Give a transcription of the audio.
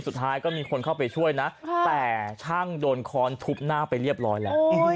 สุดท้ายก็มีคนเข้าไปช่วยนะแต่ช่างโดนค้อนทุบหน้าไปเรียบร้อยแล้ว